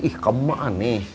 ih kembar nih